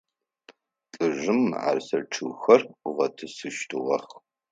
Лӏыжъым мыӏэрысэ чъыгхэр ыгъэтӏысыщтыгъэх.